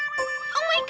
aku harus tetep nunggu